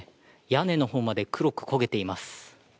屋根の方まで黒く焦げています。